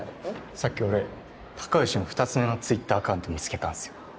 さっき俺隆良の２つ目のＴｗｉｔｔｅｒアカウント見つけたんすよ。